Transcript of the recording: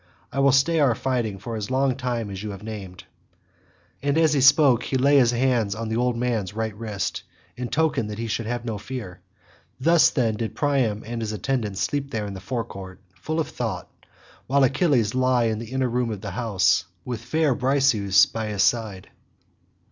I will stay our fighting for as long a time as you have named." As he spoke he laid his hand on the old man's right wrist, in token that he should have no fear; thus then did Priam and his attendant sleep there in the forecourt, full of thought, while Achilles lay in an inner room of the house, with fair Briseis by his side.